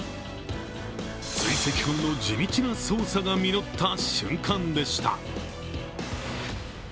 追跡班の地道な捜査が実った瞬間でした。